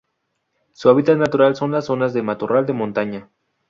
Su hábitat natural son las zonas de matorral de montaña.